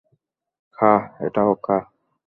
খা, এটাও খা!